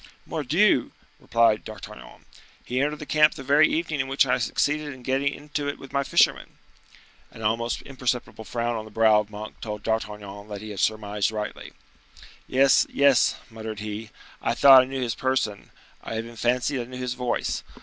"Mordioux!" replied D'Artagnan, "he entered the camp the very evening in which I succeeded in getting into it with my fishermen—" An almost imperceptible frown on the brow of Monk told D'Artagnan that he had surmised rightly. "Yes, yes," muttered he; "I thought I knew his person; I even fancied I knew his voice.